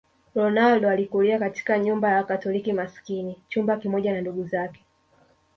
Ronaldo alikulia katika nyumba ya Wakatoliki masikini chumba kimoja na ndugu zake